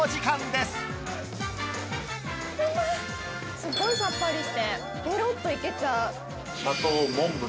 すごいさっぱりしてペロッといけちゃう。